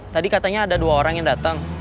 tadi katanya ada dua orang yang datang